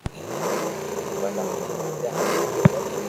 ڀلا تو ھمجي جا ايم متي ڪر